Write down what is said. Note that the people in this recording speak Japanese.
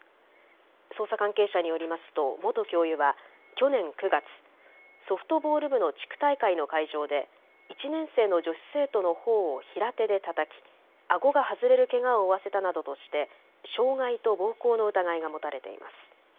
捜査関係者によりますと元教諭は去年９月、ソフトボール部の地区大会の会場で１年生の女子生徒のほおを平手でたたき、あごが外れるけがを負わせたなどとして傷害と暴行の疑いが持たれています。